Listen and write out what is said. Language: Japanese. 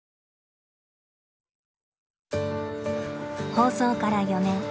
放送から４年。